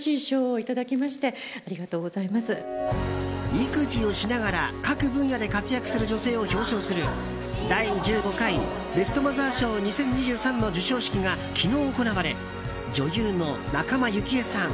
育児をしながら各分野で活躍する女性を表彰する第１５回ベストマザー賞２０２３の授賞式が昨日行われ女優の仲間由紀恵さん